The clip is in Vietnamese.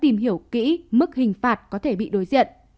tìm hiểu kỹ mức hình phạt có thể bị đối diện